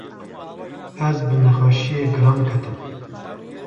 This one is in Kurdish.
ez bi nexweşîya giran ketim.